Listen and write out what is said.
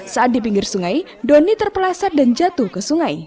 saat di pinggir sungai doni terpelasa dan jatuh ke sungai